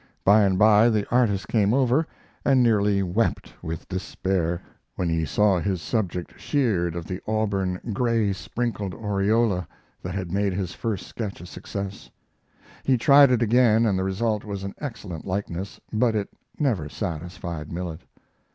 By and by the artist came over, and nearly wept with despair when he saw his subject sheared of the auburn, gray sprinkled aureola that had made his first sketch a success. He tried it again, and the result was an excellent likeness, but it never satisfied Millet.